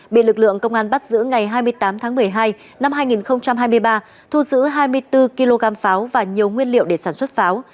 bị lực lượng công an bắt giữ ngày hai mươi tám tháng một mươi hai năm hai nghìn hai mươi ba thu giữ hai mươi bốn kg pháo và nhiều nguyên liệu để sản xuất pháo